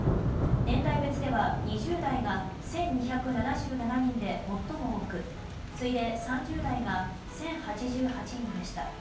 年代別では２０代が１２７７人で最も多く次いで３０代が１０８８人でした。